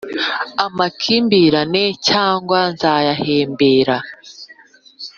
Amakimbiran cyangwa zayahembera